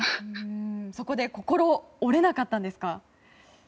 そこで心、折れなかったんですか？